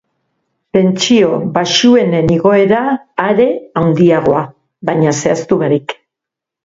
Pentsio baxuenen igoera are handiagoa, baina zehaztu barik.